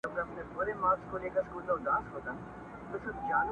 پر وجود باندي مو نه دي ازمېيلي،